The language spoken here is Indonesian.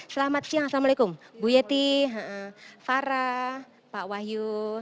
selamat siang assalamualaikum bu yeti fara pak wahyu